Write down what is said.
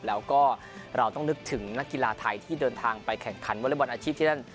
แล้วก็เราต้องนึกถึงนักกีฬาไทยที่เดินทางไปแข่งขันวอเล็กบอลอาชีพที่นั่น